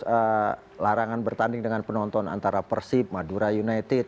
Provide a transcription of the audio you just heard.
ada larangan bertanding dengan penonton antara persib madura united